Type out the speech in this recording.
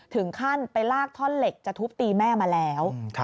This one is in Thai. ถึงขั้นไปลากท่อนเหล็กจะทุบตีแม่มาแล้ว